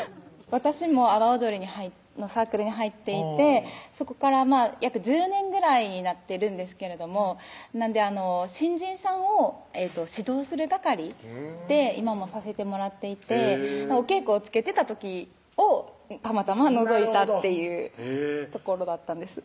私も阿波踊りのサークルに入っていてそこから約１０年ぐらいになってるんですけれども新人さんを指導する係で今もさせてもらっていてへぇお稽古をつけてた時をたまたまのぞいたっていうところだったんです